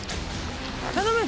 頼む！